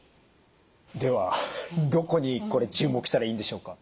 ではどこにこれ注目したらいいんでしょうか？